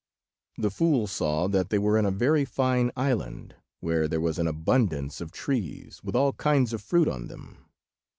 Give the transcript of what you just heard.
The fool saw that they were in a very fine island, where there was an abundance of trees, with all kinds of fruit on them.